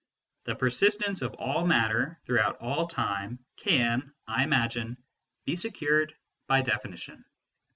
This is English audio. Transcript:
The persistence of all matter throughout all time can, I imagine, be secured by definition.